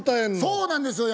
そうなんですよ